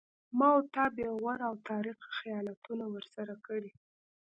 ما و تا بې غوره او تاریخي خیانتونه ورسره کړي